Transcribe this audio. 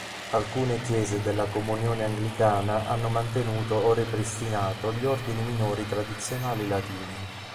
Alcune chiese della comunione anglicana hanno mantenuto o ripristinato gli ordini minori tradizionali latini.